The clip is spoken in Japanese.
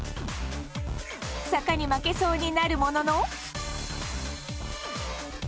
坂に負けそうになるものの。